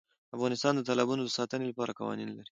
افغانستان د تالابونو د ساتنې لپاره قوانین لري.